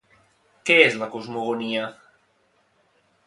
Què és la cosmogonia?